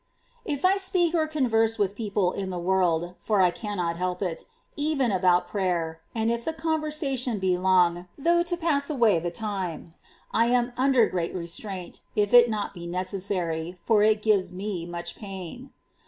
13. If I speak or converse with people in the wSotiferT world — for I cannot help it — even about prayer, and if the conversation be long, though to pass away the time, I am under great constraint if it be not necessary, for it gives me much pain.